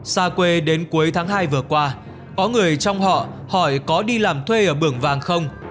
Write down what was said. xa quê đến cuối tháng hai vừa qua có người trong họ hỏi có đi làm thuê ở bưởng vàng không